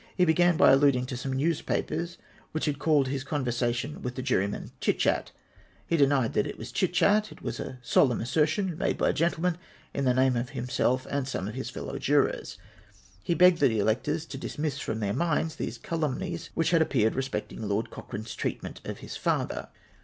He began Ijy alluding to some newspapers which had called his con versation with the juryman chit chat. He denied that it was chit cJiat ; it was a solemn assertion made by a gentleman in the name of himself and some of his fellow jurors. He begged the electors to dismiss from their minds these calum nies which had appeared respecting Lord Cochraue's treatment of his father.